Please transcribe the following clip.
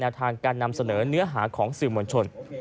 ทางการนำเสนอเนื้อหาของสื่อมวลชน